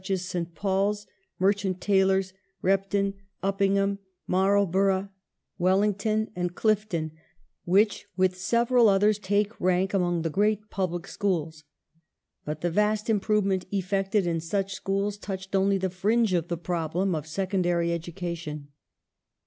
I 1891] SECONDARY SCHOOLS 405 Mai'lborough, Wellington, and Clifton, which, with several others, take rank among the great "Public" schools. But the vast im provement effected in such schools touched only the fringe of the problem of secondary education.